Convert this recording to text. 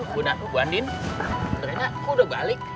buat aku bu andin aku udah balik